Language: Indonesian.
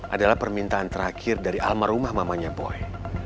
adalah permintaan terakhir dari almarhumah mamanya boy